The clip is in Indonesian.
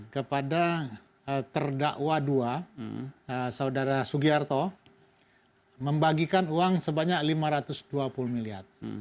kepada terdakwa dua saudara sugiarto membagikan uang sebanyak lima ratus dua puluh miliar